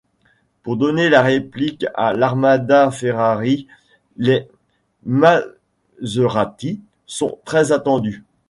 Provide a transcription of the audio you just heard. Pour donner la réplique à l'armada Ferrari, les Maserati sont très attendues.